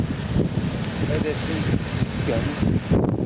Ad asent-tt-tefkemt?